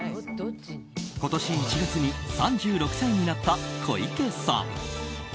今年１月に３６歳になった小池さん。